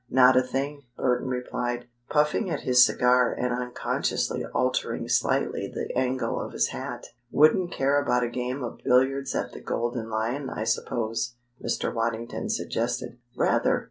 "Not a thing," Burton replied, puffing at his cigar and unconsciously altering slightly the angle of his hat. "Wouldn't care about a game of billiards at the Golden Lion, I suppose?" Mr. Waddington suggested. "Rather!"